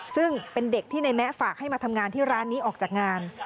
ซึ่งเป็นเด็กที่ในแมะฝากให้มาทำงานที่ร้านนี้ออกจากงาน